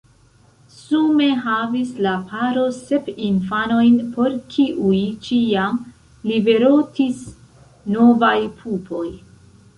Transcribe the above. Sume havis la paro sep infanojn por kiuj ĉiam liverotis novaj pupoj.